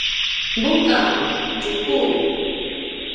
buka: tjuku